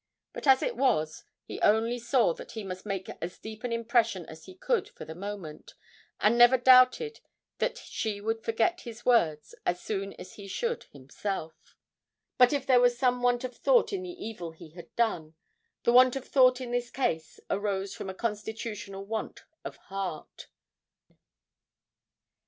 But, as it was, he only saw that he must make as deep an impression as he could for the moment, and never doubted that she would forget his words as soon as he should himself. But if there was some want of thought in the evil he had done, the want of thought in this case arose from a constitutional want of heart.